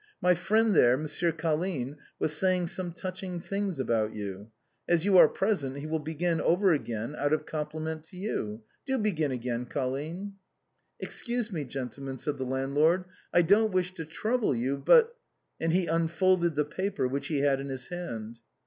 My friend there, Monsieur Colline, was saying some touching things about you. As you are pres ent, he will begin over again, out of compliment to you. Do begin again. Colline." " Excuse me, gentlemen," said the landlord ;" I don't wish to trouble you, but " and he unfolded the paper which he had in his hand.